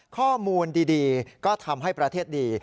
ข้อมูลดีก็ทำให้ประเทศดี